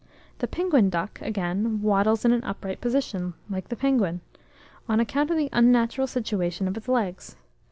The penguin duck, again, waddles in an upright position, like the penguin, on account of the unnatural situation of its legs.